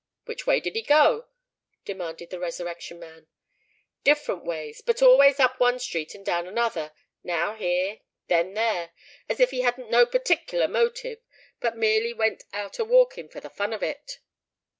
"Which way did he go?" demanded the Resurrection Man. "Different ways—but always up one street and down another—now here, then there, as if he hadn't no partickler motive, but merely went out a walkin' for the fun of it."